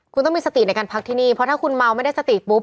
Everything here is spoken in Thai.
คุณต้องมีสติในการพักที่นี่เพราะถ้าคุณเมาไม่ได้สติปุ๊บ